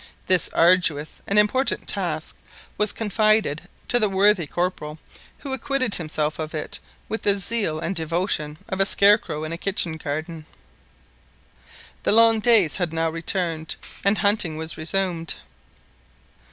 This arduous and important task was confided to the worthy Corporal, who acquitted himself of it with the zeal and devotion of a scarecrow in a kitchen garden. The long days had now returned, and hunting was resumed.